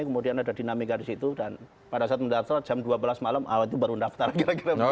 kemudian ada dinamika di situ dan pada saat mendaftar jam dua belas malam awal itu baru mendaftar kira kira